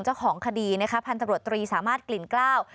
เจ้าของคดีนะคะพันธบรวตรีสามารถกลิ่นกล้าว